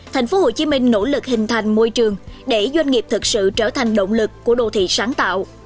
tp hcm nỗ lực hình thành môi trường để doanh nghiệp thực sự trở thành động lực của đô thị sáng tạo